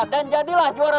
dan jadilah yang terbaik